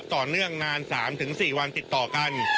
ต่อเนื่องนาน๓๔วันติดต่อกัน